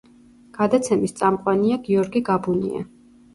გადაცემის წამყვანია გიორგი გაბუნია.